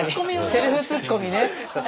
セルフツッコミ上手ね。